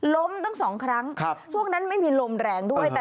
ตั้ง๒ครั้งช่วงนั้นไม่มีลมแรงด้วย